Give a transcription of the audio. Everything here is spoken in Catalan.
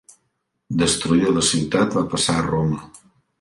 Destruïda la ciutat, va passar a Roma.